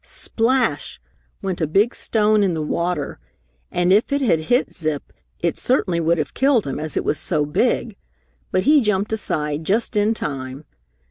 Splash! went a big stone in the water, and if it had hit Zip, it certainly would have killed him as it was so big, but he jumped aside just in time.